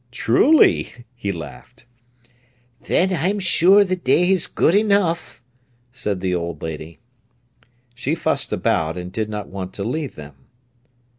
"Truly!" he laughed. "Then I'm sure the day's good enough," said the old lady. She fussed about, and did not want to leave them.